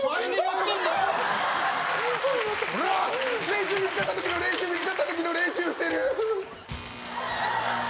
練習見つかったときの、練習見つかったときの練習してる！